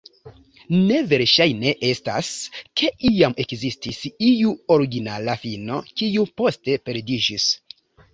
Ne verŝajne estas, ke iam ekzistis iu originala fino, kiu poste perdiĝis.